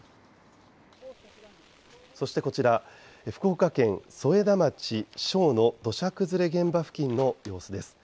そして、こちら福岡県添田町庄の土砂崩れ現場付近の様子です。